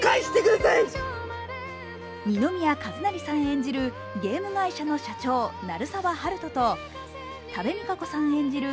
二宮和也さん演じるゲーム会社の社長、鳴沢温人と多部未華子さん演じる